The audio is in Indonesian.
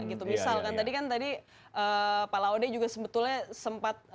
gitu misalkan tadi kan tadi pak laude juga sebetulnya sempat